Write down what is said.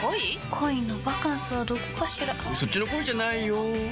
恋のバカンスはどこかしらそっちの恋じゃないよ